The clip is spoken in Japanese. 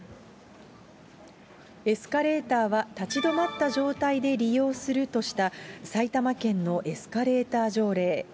エスカレーターは立ち止まった状態で利用するとした、埼玉県のエスカレーター条例。